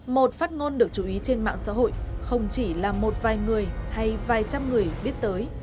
một phát ngôn được chú ý trên mạng xã hội không chỉ là một vài người hay vài trăm người biết tới